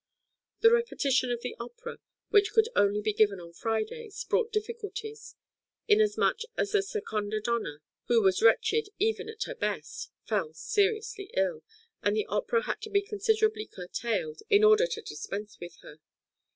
The repetition of the opera, which could only be given on Fridays, brought difficulties, inasmuch as the seconda donna, who was wretched even at her best, fell seriously ill, and the opera had to be considerably curtailed, in order to dispense with her.